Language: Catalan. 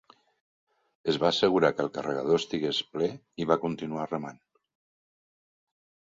Es va assegurar que el carregador estigués ple i va continuar remant.